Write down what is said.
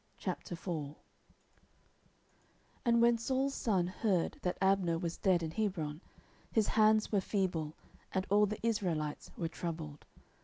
10:004:001 And when Saul's son heard that Abner was dead in Hebron, his hands were feeble, and all the Israelites were troubled.